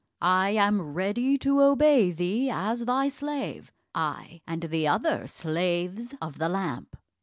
I am ready to obey thee as thy slave; I, and the other slaves of the lamp."